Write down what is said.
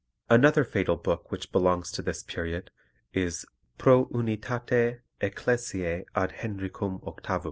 Another fatal book which belongs to this period is Pro unitate ecclesiae ad Henricum VIII.